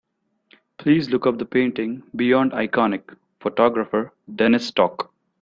Please look up the painting Beyond Iconic: Photographer Dennis Stock.